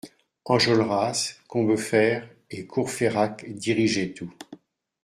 Enjolras, Combeferre et Courfeyrac dirigeaient tout.